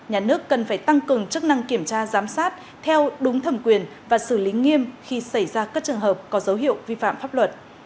nhà nước cần phải tăng cường chức năng kiểm tra giám sát theo đúng thẩm quyền và xử lý nghiêm khi xảy ra các trường hợp có dấu hiệu vi phạm pháp luật